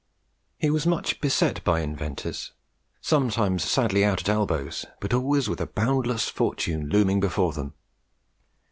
He was much beset by inventors, sometimes sadly out at elbows, but always with a boundless fortune looming before them.